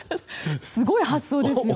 すごい発想ですよね。